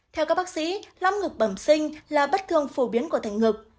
theo các bác sĩ lam ngực bẩm sinh là bất thường phổ biến của thành ngực